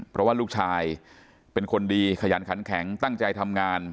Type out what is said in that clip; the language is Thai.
เพราะว่าลูกชายเป็นคนดีขยันขันแข็งตั้งใจทำงาน